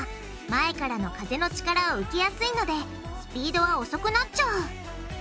前からの風の力を受けやすいのでスピードは遅くなっちゃう。